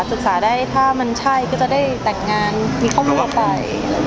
แต่ว่าถ้ามันใช่ก็จะได้แตกงานมีเข้ามาเป็นไป